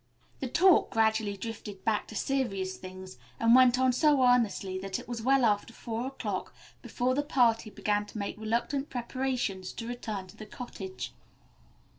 The talk gradually drifted back to serious things and went on so earnestly that it was well after four o'clock before the party began to make reluctant preparations to return to the cottage.